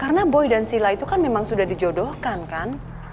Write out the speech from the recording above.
karena boy dan sila itu kan memang sudah dijodohkan kan